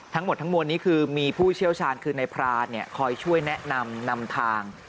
ทั้งหมดทั้งมวลนี้คือมีผู้เชี่ยวชาญคือในพรานคอยช่วยแนะนำนำทาง